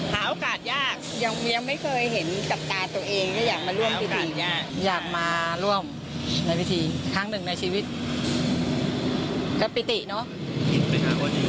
หินไปหาว่าจะอยู่จุดไหนเดี๋ยวจะรอตรงพอลิเวส